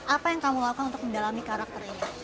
apa yang kamu lakukan untuk mendalami karakter ini